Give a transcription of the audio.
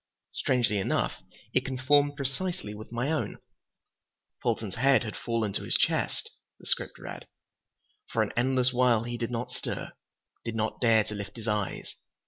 Strangely enough, it conformed precisely with my own. "Fulton's head had fallen to his chest," the script read. "For an endless while he did not stir, did not dare to lift his eyes.